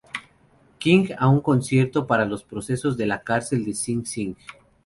King a un concierto para los presos de la cárcel de Sing Sing.